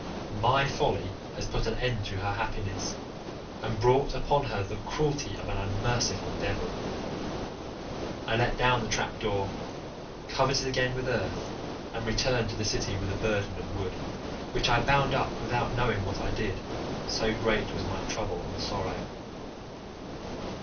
My folly has put an end to her happiness, and brought upon her the cruelty of an unmerciful devil." I let down the trap door, covered it again with earth, and returned to the city with a burden of wood, which I bound up without knowing what I did, so great was my trouble and sorrow.